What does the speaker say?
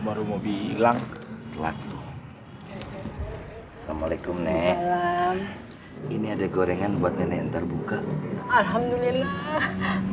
baru mau bilang kelaku assalamualaikum ini ada gorengan buat nenek yang terbuka alhamdulillah